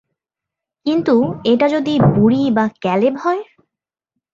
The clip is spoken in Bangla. কিন্তু এটা যদি বুড়ি বা ক্যালেব হয়?